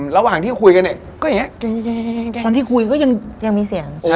ระหว่างที่คุยกันเนี่ยก็อย่างเนี้ย